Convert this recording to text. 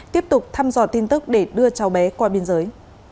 tiếp tục thăm dò tin tức để đưa cháu bé qua biên giới